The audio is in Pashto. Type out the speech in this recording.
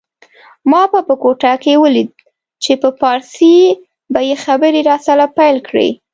ما به په کوټه کي ولید په پارسي به یې خبري راسره پیل کړې